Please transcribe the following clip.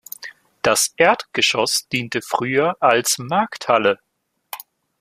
Das Erdgeschoss diente früher als Markthalle.